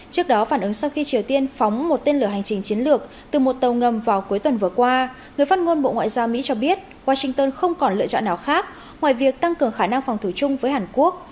trước đó phản ứng sau khi triều tiên phóng một tên lửa hành trình chiến lược từ một tàu ngầm vào cuối tuần vừa qua người phát ngôn bộ ngoại giao mỹ cho biết washington không còn lựa chọn nào khác ngoài việc tăng cường khả năng phòng thủ chung với hàn quốc